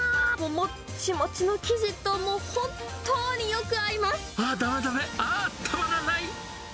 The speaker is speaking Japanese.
もっちもちの生地ともう本当あー、だめだめ、あー、たまらない。